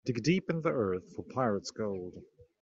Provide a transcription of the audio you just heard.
Dig deep in the earth for pirate's gold.